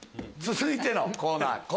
続いてのコーナー